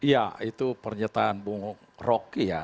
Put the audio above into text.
ya itu pernyataan bung rocky ya